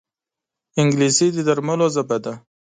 انګلیسي د درملو ژبه ده